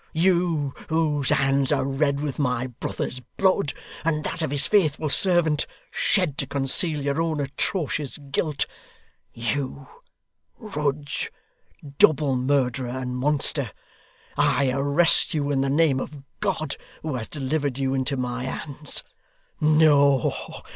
You, whose hands are red with my brother's blood, and that of his faithful servant, shed to conceal your own atrocious guilt You, Rudge, double murderer and monster, I arrest you in the name of God, who has delivered you into my hands. No.